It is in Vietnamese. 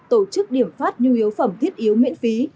tổ chức điểm phát nhu yếu phẩm thiết yếu miễn phí